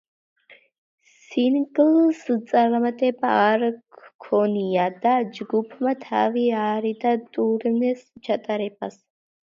სინგლს წარმატება არ ჰქონია და ჯგუფმა თავი აარიდა ტურნეს ჩატარებას.